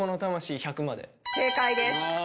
正解です。